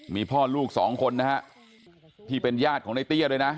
มีพ่อลูกสองคนนะฮะที่เป็นญาติของในเตี้ยด้วยนะ